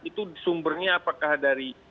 itu sumbernya apakah dari